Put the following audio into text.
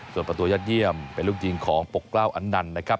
ส่วนประตูยอดเยี่ยมเป็นลูกยิงของปกกล้าวอันนันนะครับ